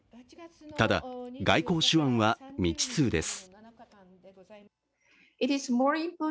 ただ、外交手腕は未知数です。